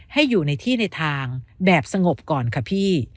ให้อยู่ในที่ในทางแบบสงบก่อนค่ะพี่